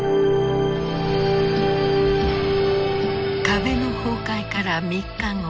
壁の崩壊から３日後。